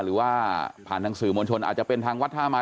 หรือว่าผ่านทางสื่อมวลชนอาจจะเป็นทางวัดท่าไม้